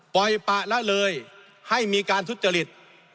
ปล่อยปะละเลยให้มีการทุจริต